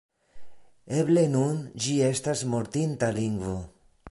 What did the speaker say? Eble nun ĝi estas mortinta lingvo.